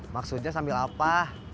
maksudnya sambil apa